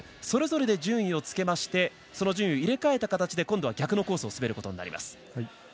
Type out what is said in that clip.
それぞれで順位をつけましてその順位を入れ替えた形で今度は、逆のコースを滑ることになります。